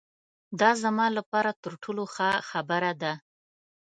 دا زما له پاره تر ټولو ښه خبره ده.